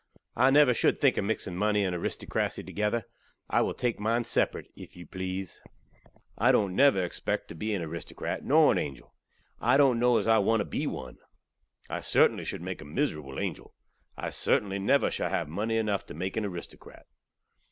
I never should think ov mixing munny and aristokrasy together; i will take mine seperate, if yu pleze. I don't never expekt tew be an aristokrat, nor an angel; i don't kno az i want tew be one. I certainly should make a miserable angel. I certainly never shall hav munny enuff tew make an aristokrat.